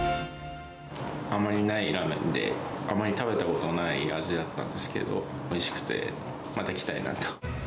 あまりないラーメンで、あまり食べたことのない味だったんですけど、おいしくて、また来たいなと。